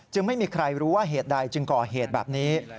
ไม่มีใครรู้ว่าเหตุใดจึงก่อเหตุแบบนี้